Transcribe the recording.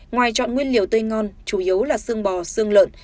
ngoài chọn nguyên liệu tươi ngon chủ yếu là xương bò xương lợn